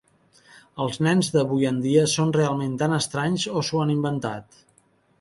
Els nens d'avui en dia són realment tan estranys o s'ho han inventat?